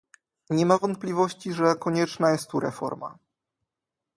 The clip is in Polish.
Nie ma wątpliwości, że konieczna jest tu reforma